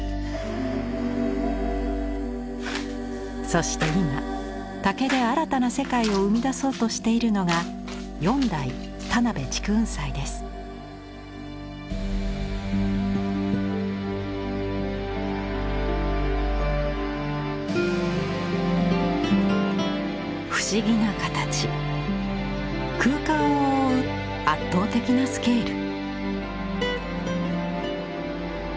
そして今竹で新たな世界を生み出そうとしているのが不思議な形空間を覆う圧倒的な「スケール」。